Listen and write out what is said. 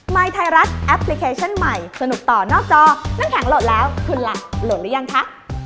ยไทยรัฐแอปพลิเคชันใหม่สนุกต่อนอกจอน้ำแข็งโหลดแล้วคุณล่ะโหลดหรือยังคะ